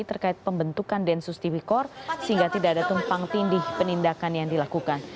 terkait pembentukan densus tipikor sehingga tidak ada tumpang tindih penindakan yang dilakukan